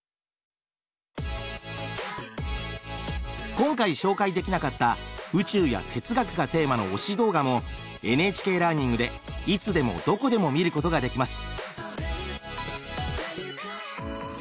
今回紹介できなかった宇宙や哲学がテーマの推し動画もＮＨＫラーニングでいつでもどこでも見ることができます。